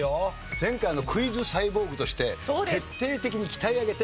前回クイズサイボーグとして徹底的に鍛え上げて